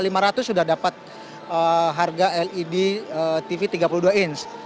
itu sudah dapat harga led tv tiga puluh dua inch